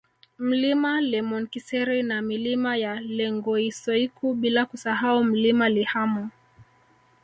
Mlima Lemonkiseri na Milima ya Lengoisoiku bila kusahau Mlima Lihamo